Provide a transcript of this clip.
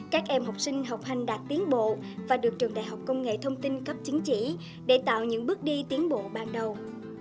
các em học sinh học hành đạt tiến bộ và được trường đại học công nghệ thông tin cấp chứng chỉ để tạo những bước đi tiến bộ ban đầu